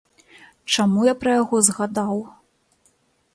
Чаму я пра яго згадаў?